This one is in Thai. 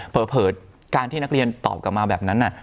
เผลอการที่นักเรียนตอบกลับมาแบบนั้น